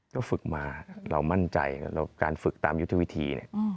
ก็ฝึกมาเรามั่นใจการฝึกตามยุทธวิธี